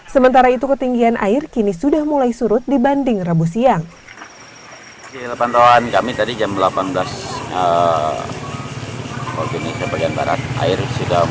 sementara itu ketinggian air kini sudah mulai surut dibanding rabu siang